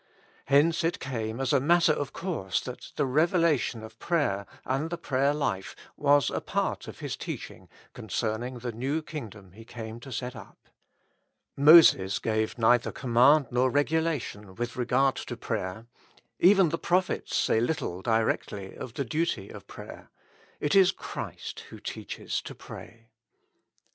Hence it came as a matter of course that the revela tion of prayer and the prayer life was a part of His teaching concerning the New Kingdom He came to set up. Moses gave neither command nor regulation with regard to prayer ; even the prophets say little directly of the duty of prayer ; it is Christ who teaches to pray.